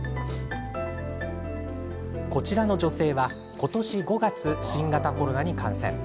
こちらの女性は今年５月新型コロナに感染。